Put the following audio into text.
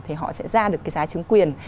thì họ sẽ ra được cái giá chứng quyền